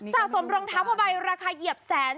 สะสมรองเท้าผ้าใบราคาเหยียบแสน